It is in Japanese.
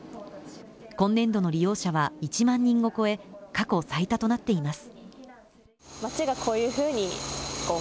今年度の利用者は１万人を超え過去最多となっています。